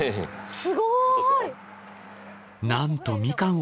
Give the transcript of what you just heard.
すごい！